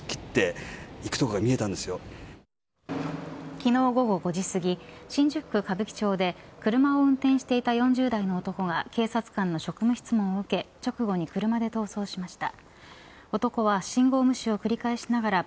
昨日午後５時すぎ新宿区、歌舞伎町で車を運転していた４０代の男が警察官の職務質問を受け直後に車で逃走しました。